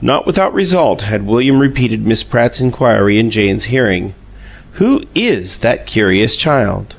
Not without result had William repeated Miss Pratt's inquiry in Jane's hearing: "Who IS that curious child?"